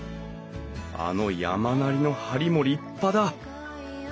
あの山なりの梁も立派だ！